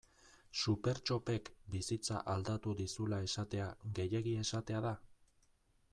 Supertxopek bizitza aldatu dizula esatea gehiegi esatea da?